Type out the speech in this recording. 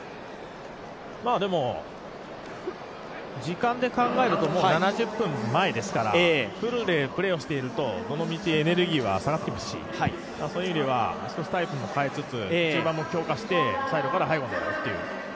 でも時間で考えるともう７０分前ですからフルでプレーをしているとどのみちエネルギーは下がっていくしそういう意味では少しタイプも変えつつ中盤も強化してサイドから背後を狙うと。